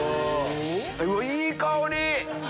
いい香り！